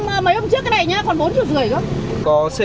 một cặp vé khá nặng nhưng không có dấu hiệu hại aproade